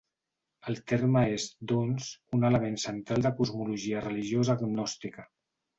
El terme és, doncs, un element central de cosmologia religiosa gnòstica.